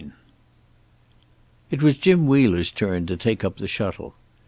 XXI It was Jim Wheeler's turn to take up the shuttle.